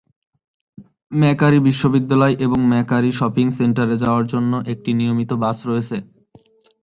McCurry বিশ্ববিদ্যালয় এবং Macquarie shopping সেন্টারে যাওয়ার জন্য একটি নিয়মিত বাস রয়েছে।